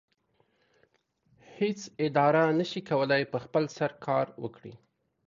هیڅ اداره نشي کولی په خپل سر کار وکړي.